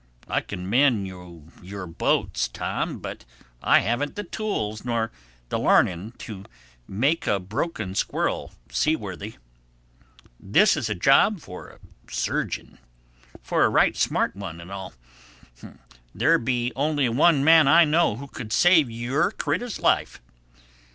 I can mend you your boats, Tom, but I haven't the tools nor the learning to make a broken squirrel seaworthy. This is a job for a surgeon—and for a right smart one an' all. There be only one man I know who could save yon crittur's life.